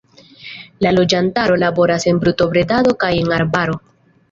La loĝantaro laboras en brutobredado kaj en arbaro.